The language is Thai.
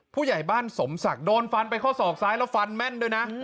ผู้ใหญ่บ้านสมศักดิ์โดนฟันไปข้อศอกซ้ายแล้วฟันแม่นด้วยนะ